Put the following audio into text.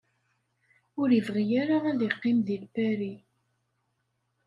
Ur ibɣi ara ad iqqim di Lpari.